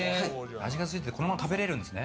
味がついていてこのまま食べられるんですね。